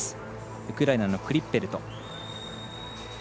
ウクライナのクリッペルト。